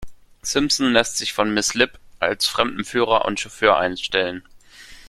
Simpson lässt sich von Miss Lipp als Fremdenführer und Chauffeur einstellen.